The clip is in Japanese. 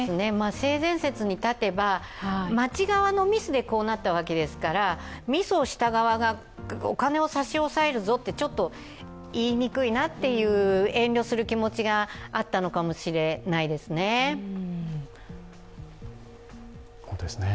性善説に立てば、町側のミスでこうなったわけですからミスをした側がお金を差し押さえるぞって言いにくいなと遠慮する気持ちがあったのかもしれないですね。